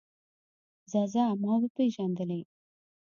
ځه ځه ما وپېژندلې.